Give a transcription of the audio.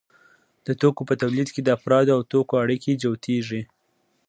د توکو په تولید کې د افرادو او توکو اړیکې جوتېږي